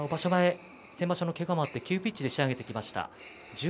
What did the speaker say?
先場所のけがもあって急ピッチで仕上げてきました。